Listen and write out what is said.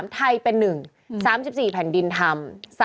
๓๓ไทยเป็นหนึ่ง๓๔แผ่นดินธรรม